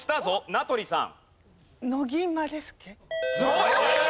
名取さん